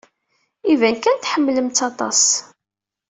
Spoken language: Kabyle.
Iban kan tḥemmlem-tt aṭas.